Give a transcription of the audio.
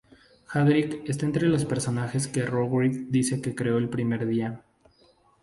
Hagrid está entre los personajes que Rowling dice que creó ""el primer día"".